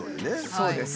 そうです。